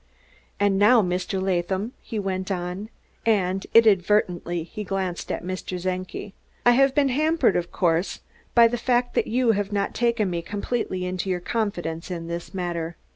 "And now, Mr. Latham," he went on, and inadvertently he glanced at Mr. Czenki, "I have been hampered, of course, by the fact that you have not taken me completely into your confidence in this matter.